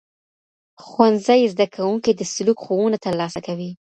ښوونځي زدهکوونکي د سلوک ښوونه ترلاسه کوي.